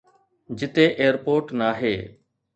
جتي ايئرپورٽ ناهي